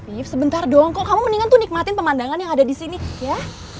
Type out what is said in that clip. viv sebentar dong kok kamu mendingan tuh nikmatin pemandangan yang ada disini ya